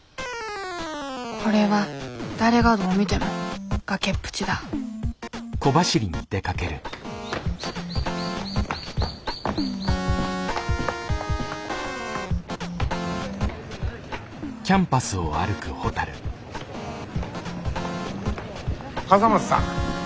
これは誰がどう見ても崖っぷちだ笠松さん。